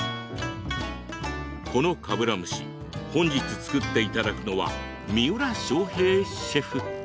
このかぶら蒸し本日、作っていただくのは三浦翔平シェフ。